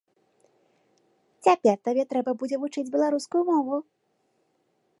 Цяпер табе трэба будзе вучыць беларускую мову!